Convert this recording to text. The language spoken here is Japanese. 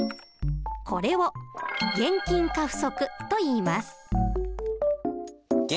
これを現金過不足といいます。